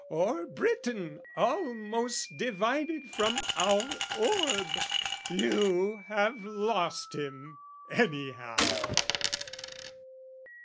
"Or Briton almost divided from our orb. "You have lost him anyhow."